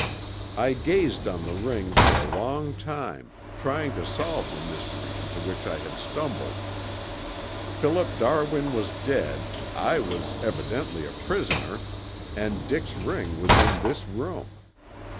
"I gazed on the ring for a long time, trying to solve the mystery into which I had stumbled. Philip Darwin was dead, I was evidently a prisoner, and Dick's ring was in this room.